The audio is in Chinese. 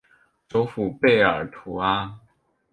首府贝尔图阿。